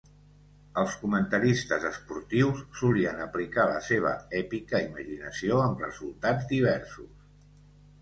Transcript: Els comentaristes esportius solien aplicar la seva èpica imaginació amb resultats diversos.